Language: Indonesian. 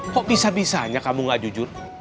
kok bisa bisanya kamu gak jujur